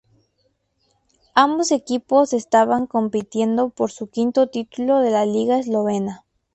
Ambos equipos estaban compitiendo por su quinto título de la Liga eslovena.